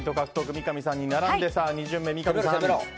三上さんに並んで２巡目、三上さん。